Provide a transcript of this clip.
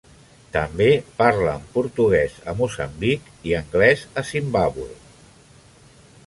També parlen portuguès a Moçambic i anglès a Zimbàbue.